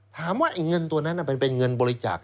ถามว่าเงินตัวนั้นมันเป็นเงินบริจาค